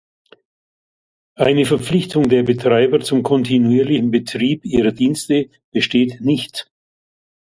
Eine Verpflichtung der Betreiber zum kontinuierlichen Betrieb ihrer Dienste besteht nicht.